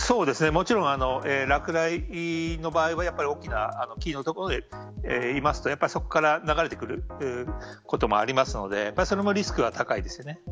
もちろん落雷の場合は大きな木の所にいるとそこから流れてくることもあるのでそれもリスクが高いですね。